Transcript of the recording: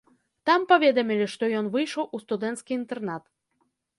Там паведамілі, што ён выйшаў у студэнцкі інтэрнат.